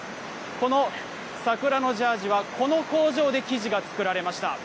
この桜のジャージは、この工場で生地が作られました。